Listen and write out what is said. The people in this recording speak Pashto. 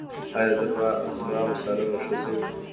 ایا زما مثانه به ښه شي؟